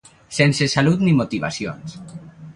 Sense salut ni motivacions.